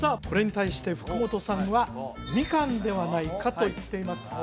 これに対して福本さんは「みかん」ではないかと言っています